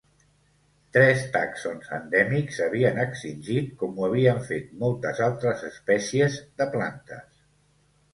Tres tàxons endèmics s'havien extingit, com ho havien fet moltes altres espècies de plantes.